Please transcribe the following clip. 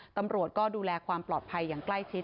ตำรวจก็ดูแลความปลอดภัยอย่างใกล้ชิด